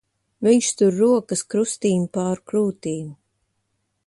Viņš tur rokas krustīm pār krūtīm.